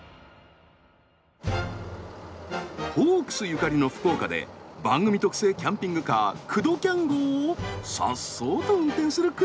ホークスゆかりの福岡で番組特製キャンピングカークドキャン号をさっそうと運転する工藤さん。